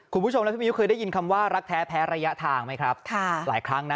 คุณผู้ชมและพี่มิ้วเคยได้ยินคำว่ารักแท้แพ้ระยะทางไหมครับค่ะหลายครั้งนะ